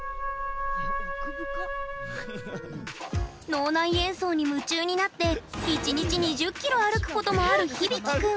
脳内演奏に夢中になって１日２０ｋｍ歩くこともある響輝君。